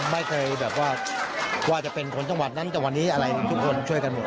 ไม่เคยแบบว่าว่าจะเป็นคนจังหวัดนั้นจังหวัดนี้อะไรทุกคนช่วยกันหมด